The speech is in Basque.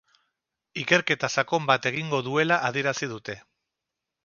Ikerketa sakon bat egingo duela adierazi dute.